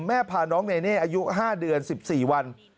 พาน้องเนเน่อายุ๕เดือน๑๔วัน